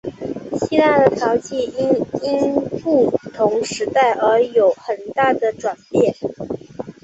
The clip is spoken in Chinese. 希腊的陶器因应不同时代而有很大的转变。